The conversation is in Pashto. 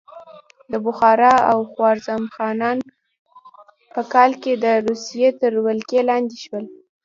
د بخارا او خوارزم خانان په کال کې د روسیې تر ولکې لاندې شول.